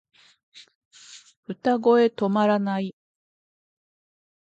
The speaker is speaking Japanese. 歌声止まらない